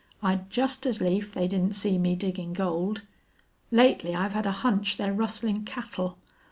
I'd just as lief they didn't see me diggin' gold. Lately I've had a hunch they're rustlin' cattle.